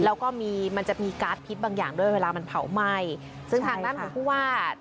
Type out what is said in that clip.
แล้วก็มีมันจะมีการ์ดพิษบางอย่างด้วยเวลามันเผาไหม้ซึ่งทางด้านของผู้ว่า